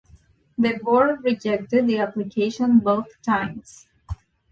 The Board rejected the application both times.